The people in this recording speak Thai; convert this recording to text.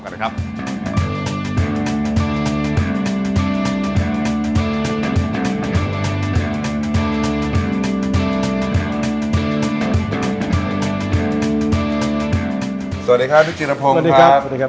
สวัสดีครับพี่จินภงครับสวัสดีครับ